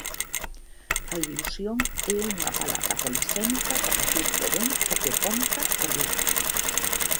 A ilusión é unha palabra polisémica que reflicte ben o que conta o libro.